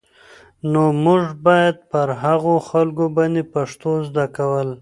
نو موږ بايد پر هغو خلکو باندې پښتو زده کول